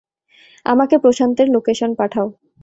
আমাকে প্রশান্তের লোকেশান পাঠাও।